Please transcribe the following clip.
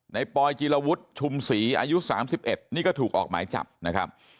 ปอยจีรวุฒิชุมศรีอายุ๓๑นี่ก็ถูกออกหมายจับนะครับ